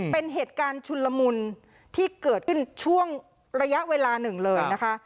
เป็นเหตุการณ์ชุนละมุนที่เกิดขึ้นช่วงระยะเวลาหนึ่งเลยนะคะ